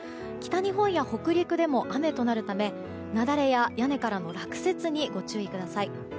北日本や北陸でも雨となるため雪崩や屋根からの落雪にご注意ください。